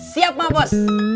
siap emak bos